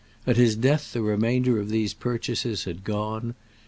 At his death the remainder of these purchases had gone.